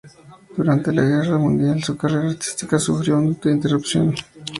Durante la Segunda Guerra Mundial su carrera artística sufrió una interrupción.